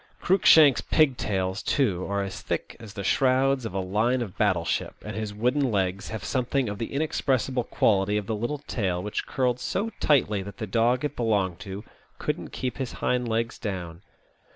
Cruikshank's pigtails, too, are as thick as the shrouds of a line of battle ship, and his wooden legs have something of the inexpressible quality of the little tail which curled so tightly that the dog it belonged to couldn't keep his hind legs down.